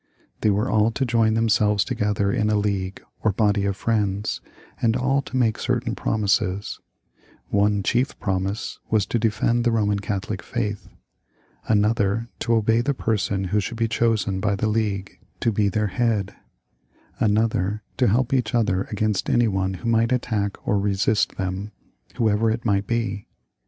They were all to join themselves together in a league or body of friends, and all to make certain promises; one chief promise was to defend the Koman Catholic faith ; another, to obey the person who would be chosen by the League to be their head ; another, to help each other against any one who might attack or resist them, whoever it might be.